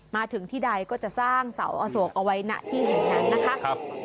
มาถึงที่ใดก็จะสร้างเสาอโศกเอาไว้ณที่แห่งนั้นนะคะ